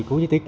cố giới thích